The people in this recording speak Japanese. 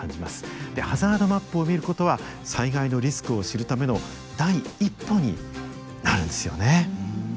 でハザードマップを見ることは災害のリスクを知るための第一歩になるんですよね。